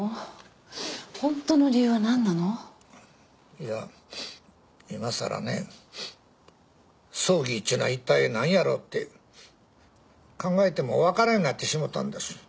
いやいまさらね葬儀っちゅうのはいったい何やろって考えても分からんようなってしもうたんです。